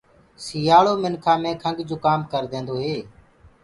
سيٚآݪو منکآ مي کنٚگ جُڪآم ڪرديندو هي۔